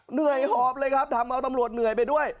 เหนื่อยหอบเลยครับทำเอาตำรวจเหนื่อยไปด้วย